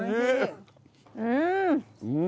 うん！